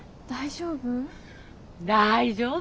大丈夫？